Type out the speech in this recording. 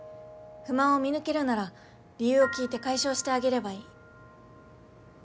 不満を見抜けるなら理由を聞いて解消してあげればいい。